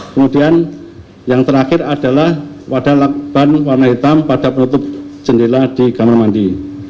kemudian yang terakhir adalah pada lakukan warna hitam pada penutup jendela di kamar mandi